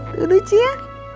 duduk sih ya